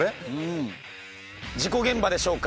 事故現場でしょうか？